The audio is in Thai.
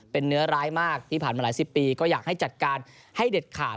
เป็นเนื้อร้ายมากที่ผ่านมาหลายสิบปีก็อยากให้จัดการให้เด็ดขาด